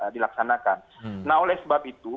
dilaksanakan nah oleh sebab itu